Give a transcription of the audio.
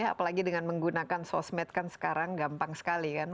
apalagi dengan menggunakan sosmed kan sekarang gampang sekali kan